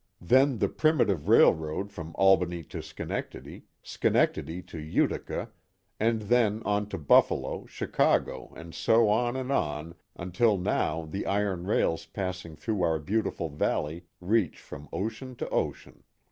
Then the primitive railroad from Albany to Schenectady, Schenectady to Utica, and then on to Buffalo, Chicago, and so on and on un til now the iron rails passing through our beautiful valley reach from ocean to ocean.